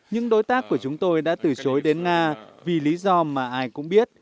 những đối tác của chúng tôi đã từ chối đến nga vì lý do mà ai cũng biết